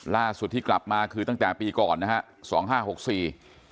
ล่าสุดที่กลับมาคือตั้งแต่ปีก่อนนะฮะสองห้าหกสี่